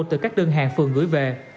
từ các đơn hàng phường gửi về